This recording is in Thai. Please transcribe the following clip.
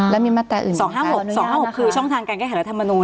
และมีมาตราอื่นใส่อนุญาตนะคะ๒๕๖คือช่องทางการแก้ไขระธรรมนูน